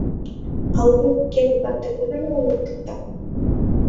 — А “Олимп” кевыт марте кудыжо намиен шукта?